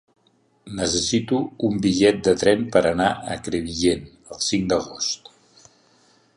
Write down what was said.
Necessito un bitllet de tren per anar a Crevillent el cinc d'agost.